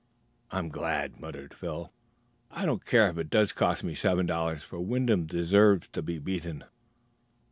"I'm glad," muttered Phil. "I don't care if it does cost me seven dollars, for Wyndham deserves to be beaten."